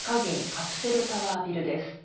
カプセルタワービルです。